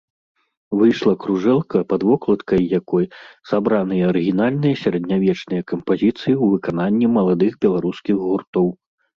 Выйшла кружэлка, пад вокладкай якой сабраныя арыгінальныя сярэднявечныя кампазіцыі ў выкананні маладых беларускіх гуртоў.